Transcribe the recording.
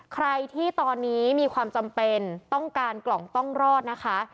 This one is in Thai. ใครที่ตอนนี้มีความจำเป็นต้องการกล่องต้องรอดนะคะ